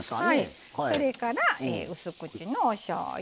それからうす口のおしょうゆ。